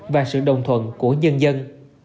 và sự đồng thuận của nhân dân